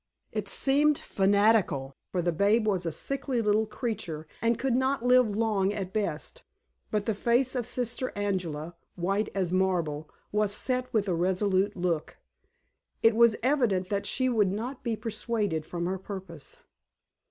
It seemed fanatical, for the babe was a sickly little creature, and could not live long at best; but the face of Sister Angela white as marble was set with a resolute look. It was evident that she would not be persuaded from her purpose.